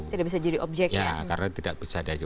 tidak bisa jadi objek ya karena tidak bisa